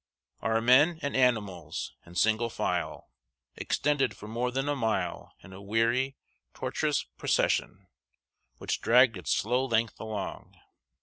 Our men and animals, in single file, extended for more than a mile in a weary, tortuous procession, which dragged its slow length along.